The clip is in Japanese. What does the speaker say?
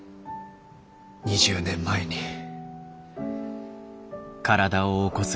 ２０年前に。